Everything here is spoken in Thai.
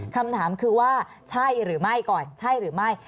คำถามคือว่าใช่หรือไม่ก่อนใช่หรือไม่